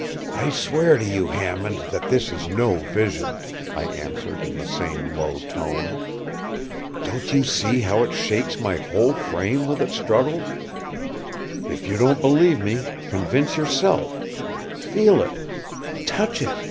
” “I swear to you, Hammond, that this is no vision,” I answered, in the same low tone. “Don’t you see how it shakes my whole frame with its struggles? If you don’t believe me convince yourself. Feel it—touch it.